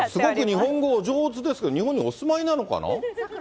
日本語お上手ですけど、日本にお住まいなのかな？